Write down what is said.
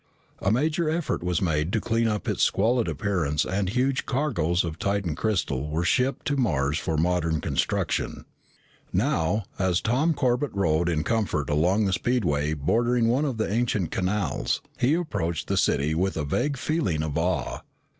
A major effort was made to clean up its squalid appearance and huge cargoes of Titan crystal were shipped to Mars for modern construction. Now, as Tom Corbett rode in comfort along a speedway bordering one of the ancient canals, he approached the city with a vague feeling of awe.